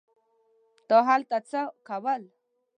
تا هلته څه کول.